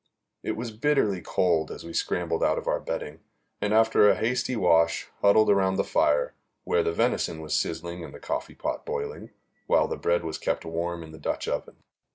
It was bitterly cold as we scrambled out of our bedding, and, after a hasty wash, huddled around the fire, where the venison was sizzling and the coffee pot boiling, while the bread was kept warm in the Dutch oven.